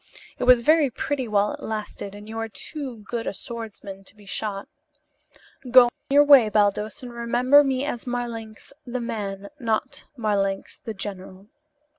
It was very pretty while it lasted and you are too good a swordsman to be shot. Go your way, Baldos, and remember me as Marlanx the man, not Marlanx the general.